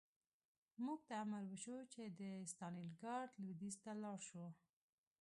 موږ ته امر وشو چې د ستالینګراډ لویدیځ ته لاړ شو